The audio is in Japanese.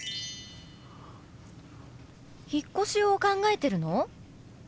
引っ越しを考えてるの？